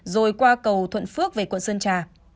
rồi qua cầu thuận phước về quận sơn trà